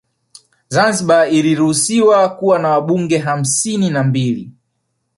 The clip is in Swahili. Zanzibar iliruhusiwa kuwa na Wabunge hamsini na mbili